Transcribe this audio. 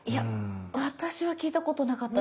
私は聞いたことなかったです。